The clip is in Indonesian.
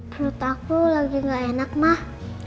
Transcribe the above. menurut aku lagi gak enak mah